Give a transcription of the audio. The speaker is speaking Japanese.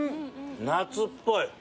夏っぽい。